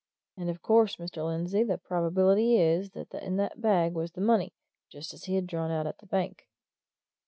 And of course, Mr. Lindsey, the probability is that in that bag was the money just as he had drawn it out of the bank."